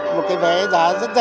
một vé giá rất rẻ